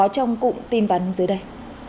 trong cụm tin bắn dưới đây